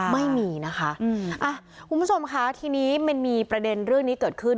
ไม่มีนะคะคุณผู้ชมค่ะทีนี้มันมีประเด็นเรื่องนี้เกิดขึ้น